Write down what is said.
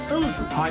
はい。